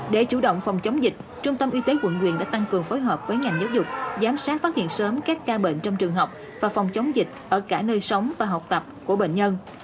để chủ động phòng chống dịch trung tâm y tế quận nguyện đã tăng cường phối hợp với ngành giáo dục giám sát phát hiện sớm các ca bệnh trong trường học và phòng chống dịch ở cả nơi sống và học tập của bệnh nhân